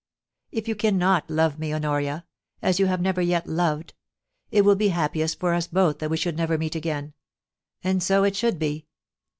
... If you cannot love me, Honoria — as you have never yet loved — it will be happiest for us both that we should never meet again — and so it should be.